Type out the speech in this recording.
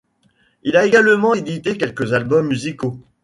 Elle a également édité quelques albums musicaux.